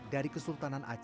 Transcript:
dari kesultanan aceh